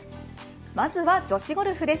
まずは女子ゴルフです。